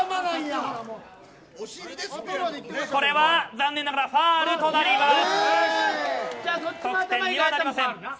これは残念ながらファウルとなります。